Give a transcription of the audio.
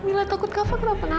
mila takut kak fadil kenapa kak